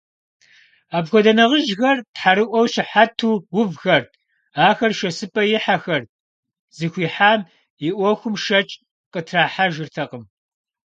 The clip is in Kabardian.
Апхуэдэ нэхъыжьхэр тхьэрыӀуэ щыхьэту увхэрт, ахэр шэсыпӀэ ихьэхэрт, зыхуихьам и Ӏуэхум шэч къытрахьэжыртэкъым.